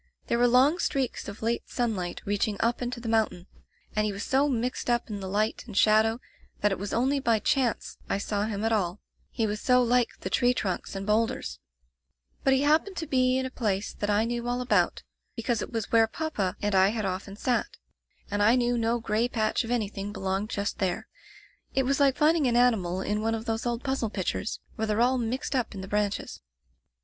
There were long streaks of late sunlight reaching up into the moun tain and he was so mixed up in the light and shadow that it was only by chance I saw him at all, he was so like the tree trunks and bowlders; but he happened to be in a place that I knew all about, because it was where papa and I had often sat, and I knew no gray patch of anything belonged just there. It was like finding an animal in one of those old puzzle pictures, where they're all mixed up in the branches.